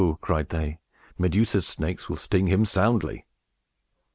cried they; "Medusa's snakes will sting him soundly!"